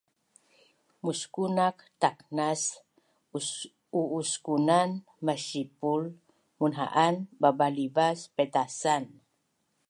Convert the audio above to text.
Muskunak taknas u’uskunan masipul munha’an babalivas paitasan